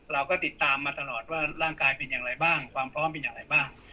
เราก็ติดตามมาตลอดว่าร่างกายเป็นอย่างไรบ้างความพร้อมเป็นอย่างไรบ้าง